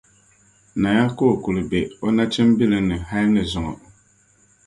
Naya ka o kuli be o nachimbilim ni hali ni zuŋɔ.